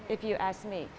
if you ask me